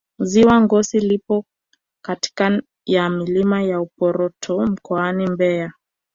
ziwa ngosi lipo katika ya milima ya uporoto mkoani mbeya